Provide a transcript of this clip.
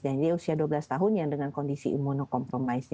jadi usia dua belas tahun yang dengan kondisi imunokompromis